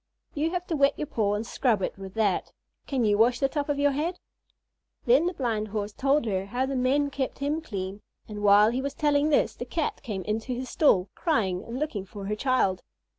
You have to wet your paw and scrub it with that. Can you wash the top of your head?" Then the Blind Horse told her how the men kept him clean; and while he was telling this the Cat came into his stall, crying and looking for her child.